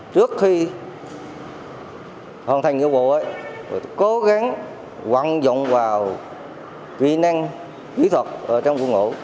trước khi hoàn thành nhiệm vụ ấy tôi cố gắng hoàn dụng vào kỹ năng kỹ thuật trong vụ ngũ